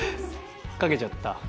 描けちゃった。